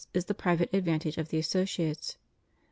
is the private advantage of the associates.